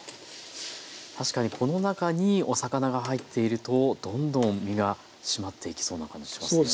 確かにこの中にお魚が入っているとどんどん身が締まっていきそうな感じしますね。